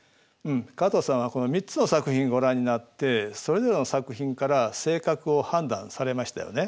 加藤さんはこの３つの作品ご覧になってそれぞれの作品から性格を判断されましたよね。